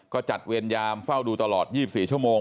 ก็จัดเวรยามเฝ้าดูตลอด๒๔ชั่วโมง